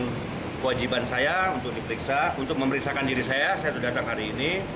dan kewajiban saya untuk diperiksa untuk memeriksakan diri saya saya sudah datang hari ini